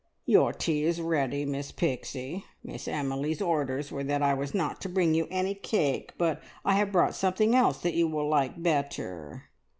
"Your tea is ready, Miss Pixie. Miss Emily's orders were that I was not to bring you any cake, but I have brought something else that you will like better."